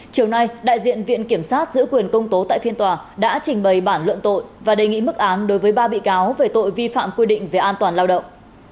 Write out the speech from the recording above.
chiều nay đại diện viện kiểm sát giữ quyền công tố tại phiên tòa đã trình bày bản luận tội và đề nghị mức án đối với ba bị cáo về tội vi phạm quy định về an toàn lao động